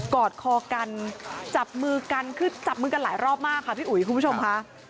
อดคอกันจับมือกันคือจับมือกันหลายรอบมากค่ะพี่อุ๋ยคุณผู้ชมค่ะ